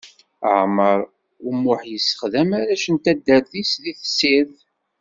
Ɛmer Umuḥ yessexdam arrac n taddart-is di tessirt.